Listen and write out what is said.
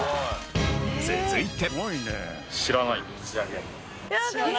続いて。